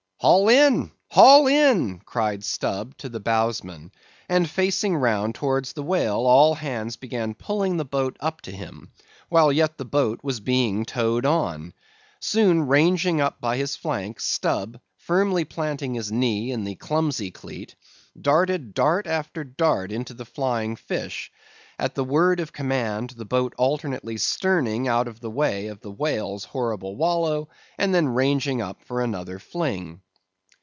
"Haul in—haul in!" cried Stubb to the bowsman! and, facing round towards the whale, all hands began pulling the boat up to him, while yet the boat was being towed on. Soon ranging up by his flank, Stubb, firmly planting his knee in the clumsy cleat, darted dart after dart into the flying fish; at the word of command, the boat alternately sterning out of the way of the whale's horrible wallow, and then ranging up for another fling.